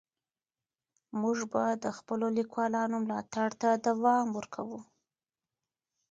موږ به د خپلو لیکوالانو ملاتړ ته دوام ورکوو.